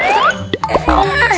turun dulu ya